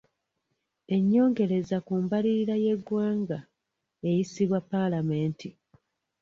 Ennyongereza ku mbalirira y'eggwanga eyisibwa paalamenti.